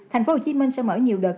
thành phố hồ chí minh sẽ mở nhiều đợt